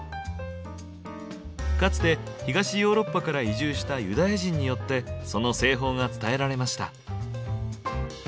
かつて東ヨーロッパから移住したユダヤ人によってその製法が伝えられました。